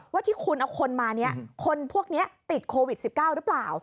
ว่าที่คุณเอาคนมานี้คนพวกนี้ติดโควิด๑๙หรือเปล่า